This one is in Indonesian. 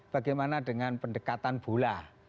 bagaimana dengan pendekatan bola